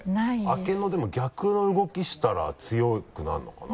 開けのでも逆の動きしたら強くなるのかな？